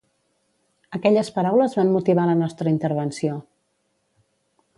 Aquelles paraules van motivar la nostra intervenció.